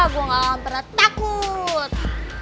gue gak pernah takut